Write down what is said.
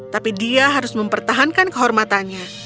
tapi dia harus mempertahankan kehormatannya